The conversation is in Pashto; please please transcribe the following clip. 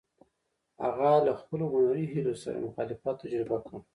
هغه له خپلو هنري هیلو سره مخالفت تجربه کړ.